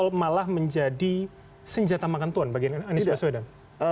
apakah kemudian ini bisa menjadikan senjata atau malah menjadi senjata makan tuan bagi anies baswedan